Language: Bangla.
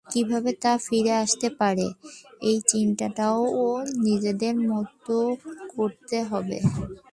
কীভাবে তা ফিরে আসতে পারে, এই চিন্তাটাও তাদের নিজেদেরই করতে হবে।